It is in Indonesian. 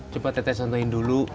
coba tete santain dulu